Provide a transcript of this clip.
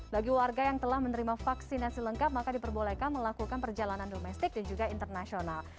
bagi warga yang telah menerima vaksinasi lengkap maka diperbolehkan melakukan perjalanan domestik dan juga internasional